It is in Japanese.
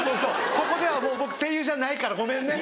ここではもう僕声優じゃないからごめんね。